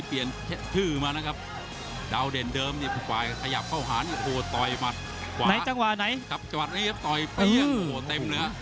เตรียมหมู่โตยเต็มเนื้อ